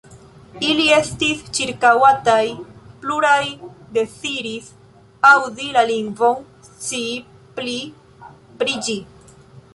Ili estis ĉirkaŭataj, pluraj deziris aŭdi la lingvon, scii pli pri ĝi.